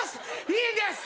いいんです。